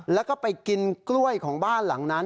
แล้วก็ไปกินกล้วยของบ้านหลังนั้น